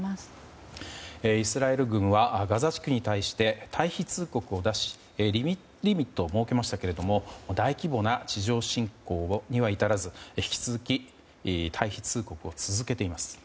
イスラエル軍はガザ地区に対して退避通告を出しリミットを設けましたが大規模な地上侵攻には至らず引き続き退避通告を続けています。